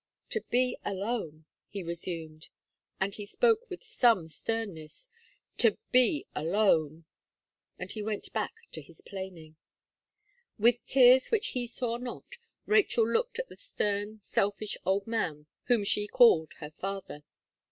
"To be alone," he resumed; and he spoke with some sternness, "to be alone." And he went back to his planing. With tears which he saw not, Rachel looked at the stern, selfish old man, whom she called her father.